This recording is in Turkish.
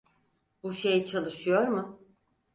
Bu şey çalışıyor mu?